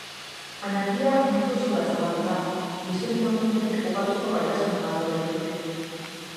Anarkia mundu osora zabaldu da, gizon-emakumeek ugaltzeko gaitasuna galdu baitute.